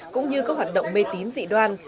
cũng như các hoạt động mê tín dị đoan